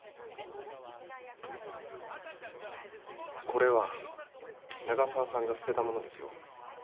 これは長澤さんが捨てたものですよ。